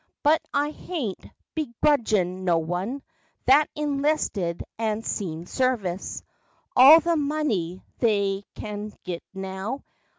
But I haint begrutchin no one That enlisted and seen service All the money they can git now.